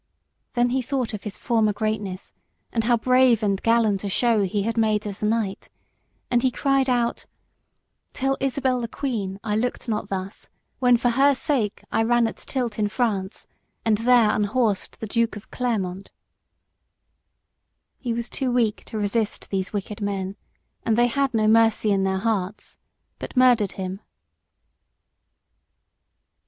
Then he thought of his former greatness and how brave and gallant a show he had made as a knight, and he cried out "Tell Isabel, the queen, I looked not thus When for her sake I ran at tilt in France And there unhorsed the Duke of Cleremont." [Sidenote: A.D. 1327.] He was too weak to resist these wicked men, and they had no mercy in their hearts, but murdered him.